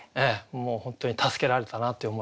もう本当に助けられたなという思いで。